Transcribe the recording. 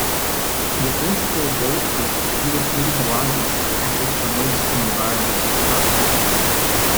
This principle bolsters the therapeutic alliance, as it promotes an environment of trust.